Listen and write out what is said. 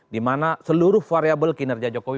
dimana seluruh variable kinerja jokowi